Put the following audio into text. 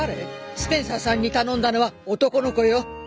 スペンサーさんに頼んだのは男の子よ。